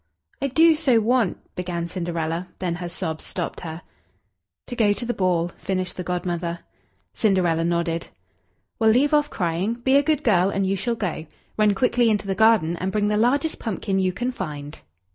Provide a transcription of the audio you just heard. "I do so want " began Cinderella; then her sobs stopped her. "To go to the ball," finished the Godmother. Cinderella nodded. "Well, leave off crying be a good girl, and you shall go. Run quickly into the garden, and bring the largest pumpkin you can find."